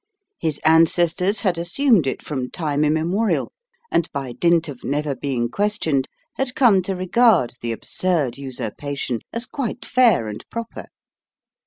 His ancestors had assumed it from time immemorial, and by dint of never being questioned had come to regard the absurd usurpation as quite fair and proper.